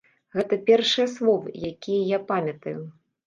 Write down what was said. Гэта першыя словы, якія я памятаю.